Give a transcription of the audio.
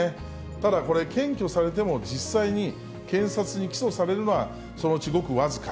ただ、これ、検挙されても実際に検察に起訴されるのは、そのうちごく僅か。